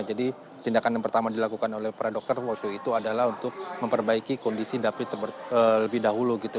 jadi tindakan yang pertama dilakukan oleh para dokter waktu itu adalah untuk memperbaiki kondisi david lebih dahulu gitu